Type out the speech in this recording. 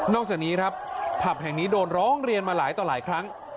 จากนี้ครับผับแห่งนี้โดนร้องเรียนมาหลายต่อหลายครั้ง